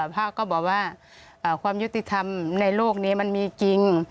พระก็บอกว่าความยุติธรรมในโลกนี้มันมีจริง